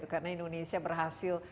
karena indonesia berhasil